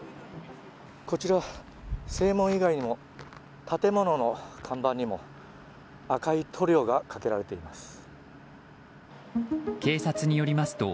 こちら、正門以外にも建物の看板にも赤い塗料がかけられています。